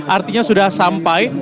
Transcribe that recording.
artinya sudah sampai